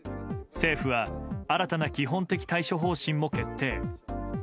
政府は新たな基本的対処方針も決定。